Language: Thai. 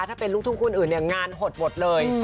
ถ้าเป็นลูกทุ่งคนอื่นเนี่ยงานหดหมดเลย